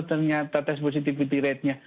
ternyata tes positivity ratenya